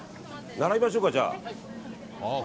並びましょうか、じゃあ。